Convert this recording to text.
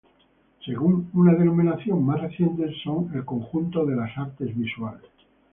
Según una denominación más reciente, son el conjunto de las "artes visuales".